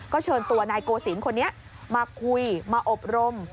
เชิญตัวนายโกศิลป์คนนี้มาคุยมาอบรม